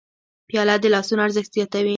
پیاله د لاسونو ارزښت زیاتوي.